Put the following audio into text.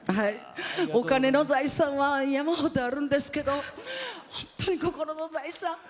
お金の財産は山ほどあるんですけど本当に心の財産。